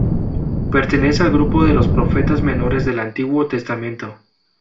Pertenece al grupo de los Profetas Menores del Antiguo Testamento.